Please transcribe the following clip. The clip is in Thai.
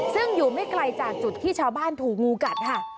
ซึ่งอยู่ไม่ไกลจากจุดที่ชาวบ้านถูกงูกัดค่ะ